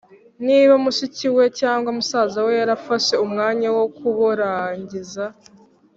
niba mushiki we cyangwa musaza we yarafashe umwanya wo kuborangiza